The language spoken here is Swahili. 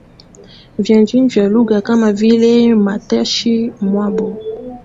vingine vya lugha kama vile matamshi maumbo